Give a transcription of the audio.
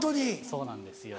そうなんですよ。